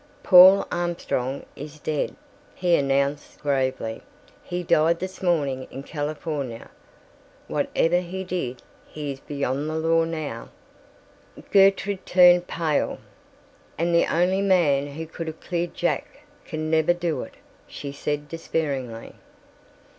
"Paul Armstrong is dead," he announced gravely. "He died this morning in California. Whatever he did, he is beyond the law now." Gertrude turned pale. "And the only man who could have cleared Jack can never do it!" she said despairingly.